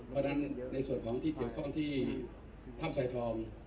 เพราะฉะนั้นในส่วนของที่เกี่ยวข้องที่ถ้ำสายทอง